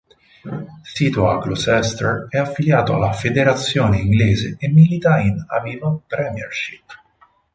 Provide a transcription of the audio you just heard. Sito a Gloucester è affiliato alla federazione inglese e milita in Aviva Premiership.